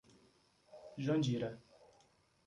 Jandira